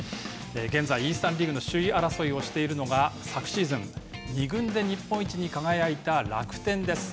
現在、イースタンリーグの首位争いをしているのが昨シーズン、二軍で日本一に輝いた楽天です。